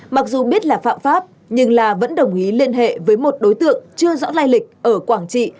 mặc dù biết là phạm pháp nhưng la vẫn đồng ý liên hệ với một đối tượng chưa rõ lai lịch ở quảng trị